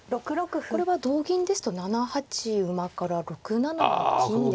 これは同銀ですと７八馬から６七金ですか。